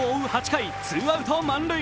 ８回、ツーアウト満塁。